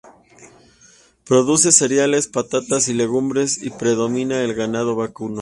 Produce cereales, patatas y legumbres y predomina el ganado vacuno.